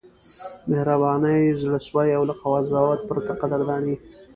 مهرباني، زړه سوی او له قضاوت پرته قدرداني: